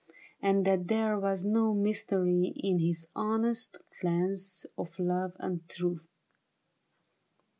And that there was no mystery in His honest glance of love and truth.